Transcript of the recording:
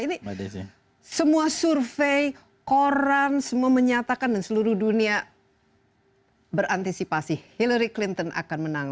ini semua survei koran semua menyatakan dan seluruh dunia berantisipasi hillary clinton akan menang